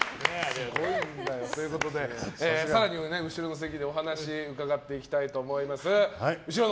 更に、後ろの席でお話伺っていきたいと思います。